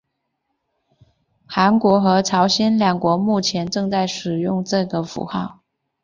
韩国和朝鲜两国目前正在使用这个符号。